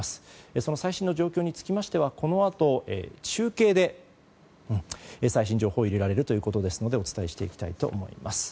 その最新の状況についてはこのあと、中継で最新情報を入れられるということでお伝えしていきたいと思います。